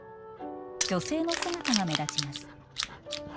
女性の姿が目立ちます。